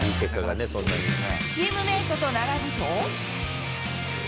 チームメートと並ぶと。